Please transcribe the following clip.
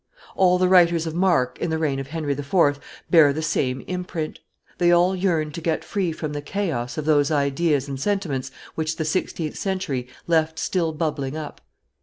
All the writers of mark in the reign of Henry IV. bear the same imprint; they all yearn to get free from the chaos of those ideas and sentiments which the sixteenth century left still bubbling up.